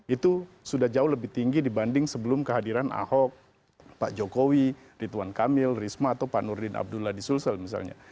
itu sudah jauh lebih tinggi dibanding sebelum kehadiran ahok pak jokowi rituan kamil risma atau pak nurdin abdullah di sulsel misalnya